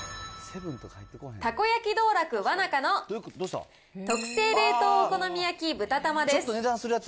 たこ焼道楽わなかの特製冷凍お好み焼豚玉です。